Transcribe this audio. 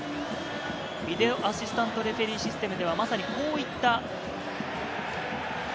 ビデオ・アシスタント・レフェリーシステムではまさにこういった。